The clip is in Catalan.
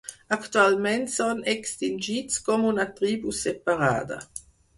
Actualment són extingits com una tribu separada.